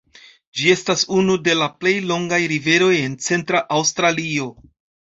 Ĝi estas unu de la plej longaj riveroj en Centra Aŭstralio.